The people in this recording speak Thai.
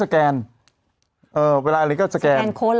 สแกนโค้ดแล้วก็จ่าย